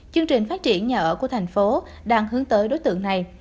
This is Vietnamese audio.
chương trình phát triển nhà ở của thành phố đang hướng tới đối tượng này